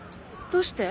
どうして？